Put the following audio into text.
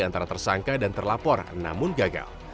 antara tersangka dan terlapor namun gagal